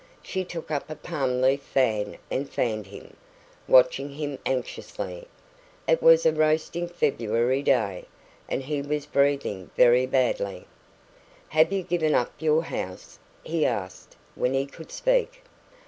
She took up a palm leaf fan and fanned him, watching him anxiously. It was a roasting February day, and he was breathing very badly. "Have you given up your house?" he asked, when he could speak.